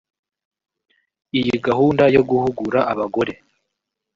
Iyi gahunda yo guhugura abagore